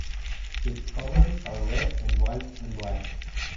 Its colors are red and white and black.